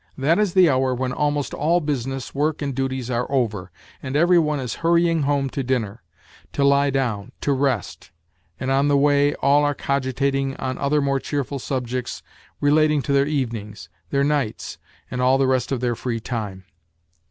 That is the hour when almost all business, work and duties are over, and every one is hurrying home to dinner, to lie down, to rest, and on the way all are cogitat ing on other more cheerful subjects relating to their evenings, their nights, and all the rest of their free time.